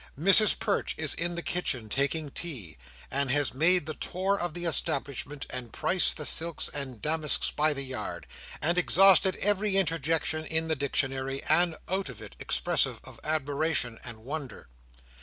Mrs Perch is in the kitchen taking tea; and has made the tour of the establishment, and priced the silks and damasks by the yard, and exhausted every interjection in the dictionary and out of it expressive of admiration and wonder.